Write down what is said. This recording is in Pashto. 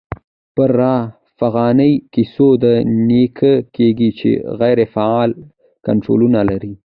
پرا فغانۍ کیسو دا نیوکه کېږي، چي غیري فعاله کرکټرونه لري.